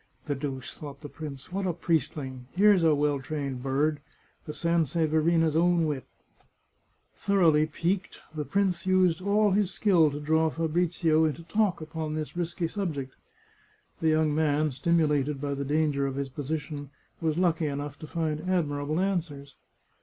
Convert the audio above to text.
" The deuce !" thought the prince ;" what a priestling ! Here's a well trained bird ! The Sanseverina's own wit !" Thoroughly piqued, the prince used all his skill to draw 139 The Chartreuse of Parma Fabrizio into talk upon this risky subject. The young man, stimulated by the danger of his position, was lucky enough to find admirable answers.